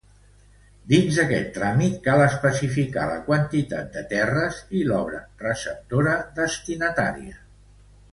Dins aquest tràmit cal especificar la quantitat de terres i l'obra receptora destinatària.